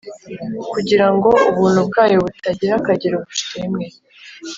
"Kugira ngo ubuntu bwayo butagira akagero bushimwe,